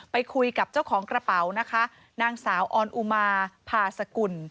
ไปคุยกับเจ้าของกระเป๋านะคะนางสาวออนอุมาพาสกุล